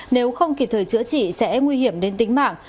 nếu không kịp thời chữa trị sẽ nguy hiểm đến tính mạng